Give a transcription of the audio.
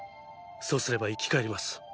そうすれば生き返ります。